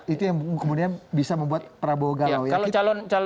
itu yang kemudian bisa membuat prabowo galau ya